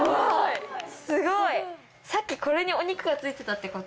さっきこれにお肉が付いてたってこと？